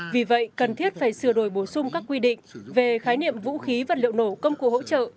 vì vậy cần thiết phải sửa đổi bổ sung các quy định về khái niệm vũ khí vật liệu nổ công cụ hỗ trợ